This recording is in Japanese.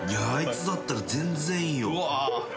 あいつだったら全然いいよ。